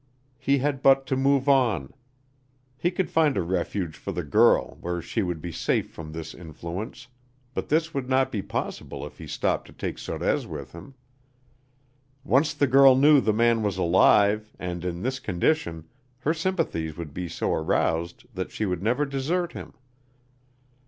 He had but to move on. He could find a refuge for the girl where she would be safe from this influence, but this would not be possible if he stopped to take Sorez with them. Once the girl knew the man was alive and in this condition her sympathies would be so aroused that she would never desert him.